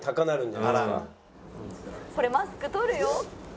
これマスク取るよ。